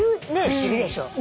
不思議でしょ。